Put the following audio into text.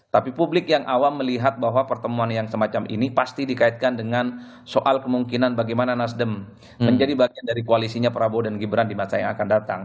tapi publik yang awam melihat bahwa pertemuan yang semacam ini pasti dikaitkan dengan soal kemungkinan bagaimana nasdem menjadi bagian dari koalisinya prabowo dan gibran di masa yang akan datang